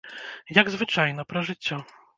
Як звычайна, пра жыццё.